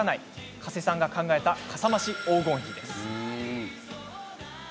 加瀬さんが考えたかさ増し黄金比。